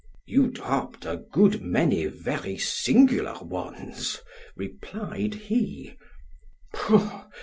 —— You dropp'd a good many very singular ones; replied he——Pugh!